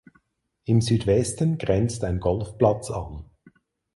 Im Südwesten grenzt ein Golfplatz an.